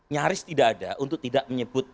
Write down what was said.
nyaris tidak ada untuk tidak menyebut